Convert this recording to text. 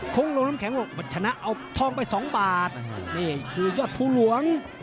คุ้งลงน้ำแข็งชนะเอาทองไป๒บาทนี่คือยอดภูรวง